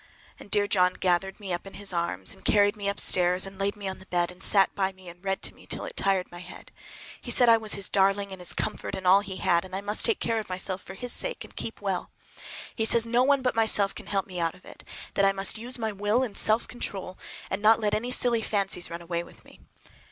And dear John gathered me up in his arms, and just carried me upstairs and laid me on the bed, and sat by me and read to me till it tired my head. He said I was his darling and his comfort and all he had, and that I must take care of myself for his sake, and keep well. He says no one but myself can help me out of it, that I must use my will and self control and not let any silly fancies run away with me.